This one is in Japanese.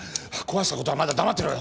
壊したことはまだ黙ってろ。